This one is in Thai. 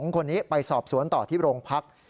๒คนนี้ไปสอบสวนต่อที่โรงพัก